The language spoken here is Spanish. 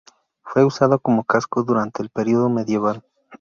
Fue usado como casco durante el periodo medieval.